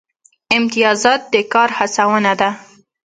امتیازات د کار هڅونه ده